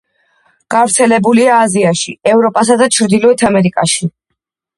გავრცელებულია აზიაში, ევროპასა და ჩრდილოეთ ამერიკაში.